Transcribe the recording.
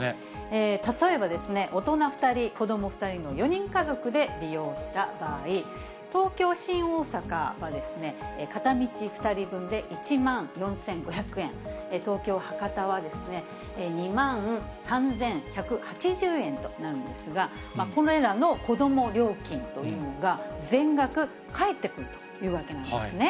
例えば大人２人、子ども２人の４人家族で利用した場合、東京・新大阪は、片道２人分で１万４５００円、東京・博多は２万３１８０円なんですが、これらの子ども料金というのが、全額返ってくるというわけなんですね。